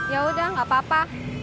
yaudah gak apa apa